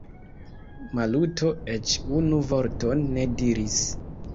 Maluto eĉ unu vorton ne diris.